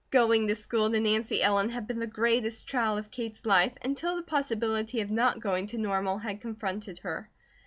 Going to school to Nancy Ellen had been the greatest trial of Kate's life, until the possibility of not going to Normal had confronted her.